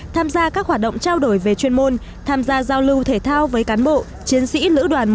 tham gia các hoạt động trao đổi về chuyên môn tham gia giao lưu thể thao với cán bộ chiến sĩ lữ đoàn một trăm bảy mươi hai